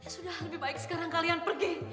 sudah lebih baik sekarang kalian pergi